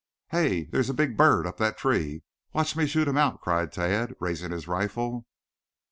"Hey! There's a big bird up that tree. Watch me shoot him out," cried Tad, raising his rifle.